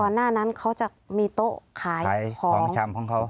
หน้านั้นเขาจะมีโต๊ะขายขายของชำของเขา